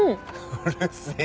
うるせえな。